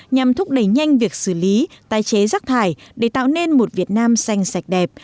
nhằm thúc đẩy nhanh việc xử lý tái chế rác thải để tạo nên một việt nam xanh sạch đẹp